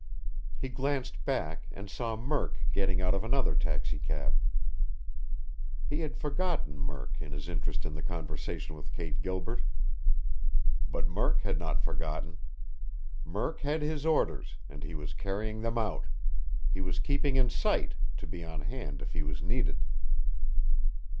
He glanced back, and saw Murk getting out of another taxicab. He had forgotten Murk in his interest in the conversation with Kate Gilbert. But Murk had not forgotten. Murk had his orders, and he was carrying them out; he was keeping in sight, to be on hand if he was needed.